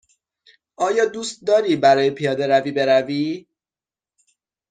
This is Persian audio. آیا دوست داری برای پیاده روی بروی؟